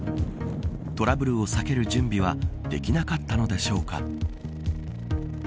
トラブルを避ける準備はできなかったのでしょうか。